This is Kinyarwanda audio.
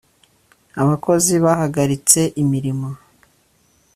abakozi bahagaritse imirimo